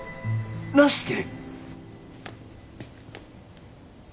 なして。